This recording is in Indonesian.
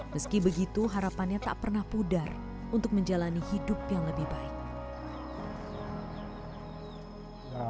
meski begitu harapannya tak pernah pudar untuk menjalani hidup yang lebih baik